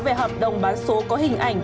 về hợp đồng bán số có hình ảnh